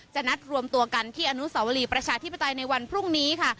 นัดรวมตัวกันที่อนุสาวรีประชาธิปไตยในวันพรุ่งนี้ค่ะ